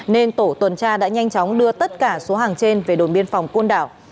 nên tổ tuần tra đã nhanh chóng đưa tất cả số hàng trên về đồn biên phòng côn đảo